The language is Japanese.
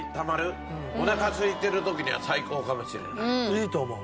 いいと思う。